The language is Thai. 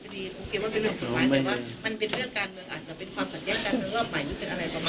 แต่ว่ามันเป็นเรื่องการเมืองอาจจะเป็นความผลยะกัน